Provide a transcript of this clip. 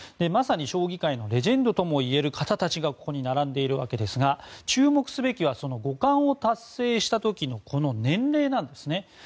まさに将棋界のレジェンドともいえる方たちがここに並んでいるわけですが注目すべきは五冠を達成した時の年齢なんですね。